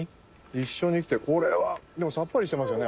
一緒に来てこれはでもさっぱりしてますよね。